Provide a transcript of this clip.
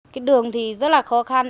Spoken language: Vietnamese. cái đường thì rất là khó khăn